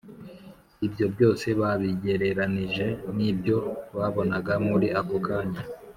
ibyo byose babigereranije n’ibyo babonaga muri ako kanya